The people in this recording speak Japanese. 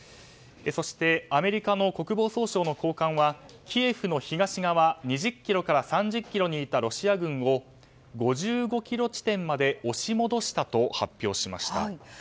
そしてアメリカの国防総省の高官はキエフの東側２０ｋｍから３０ｋｍにいたロシア軍を、５５ｋｍ地点まで押し戻したと発表しました。